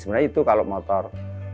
sebenarnya itu kalau motor